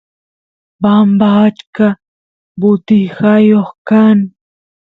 bamba achka butijayoq kan